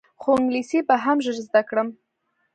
خو انګلیسي به هم ژر زده کړم.